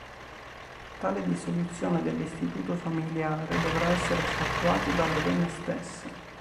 Tale dissoluzione dell'Istituto familiare dovrà essere effettuato dalle donne stesse.